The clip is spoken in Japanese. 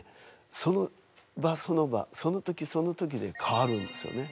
その場その場その時その時で変わるんですよね。